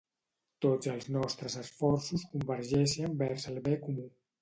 Tots els nostres esforços convergeixen vers el bé comú.